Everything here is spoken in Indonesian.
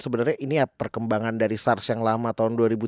sebenernya ini ya perkembangan dari sars yang lama tahun dua ribu tiga